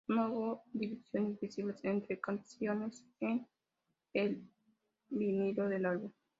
No hubo divisiones visibles entre canciones en el vinilo del álbum.